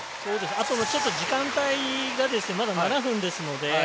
あとは時間帯がまだ７分ですので。